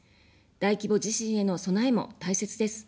大規模地震への備えも大切です。